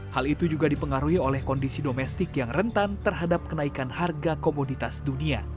hal itu juga dipengaruhi oleh kondisi domestik yang rentan terhadap kenaikan harga komoditas dunia